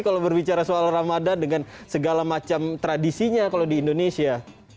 kalau berbicara soal ramadan dengan segala macam tradisinya kalau di indonesia